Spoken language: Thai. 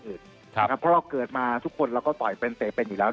เพราะเราเกิดมาทุกคนเราก็ต่อยเป็นเตะเป็นอยู่แล้ว